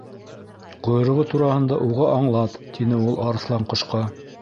—Ҡойроғо тураһында уға аңлат, —тине ул Арыҫланҡошҡа.